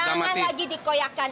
ika jangan lagi dikoyakkan